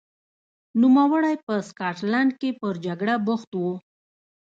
نوموړی په سکاټلند کې پر جګړه بوخت و.